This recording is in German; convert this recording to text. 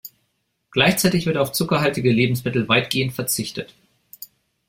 Gleichzeitig wird auf zuckerhaltige Lebensmittel weitestgehend verzichtet.